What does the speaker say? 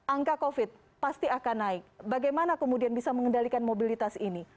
angka covid pasti akan naik bagaimana kemudian bisa mengendalikan mobilitas ini